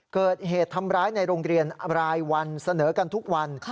เกิดเหตุทำร้ายในโรงเรียนรายวันเสนอกันทุกวัน